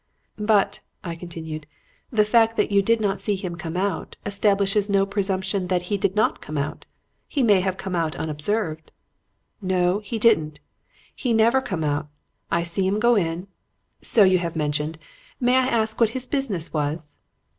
"'But,' I continued, 'the fact that you did not see him come out establishes no presumption that he did not come out. He may have come out unobserved.' "'No, he didn't. He never come out. I see 'im go in ' "'So you have mentioned. May I ask what his business was?'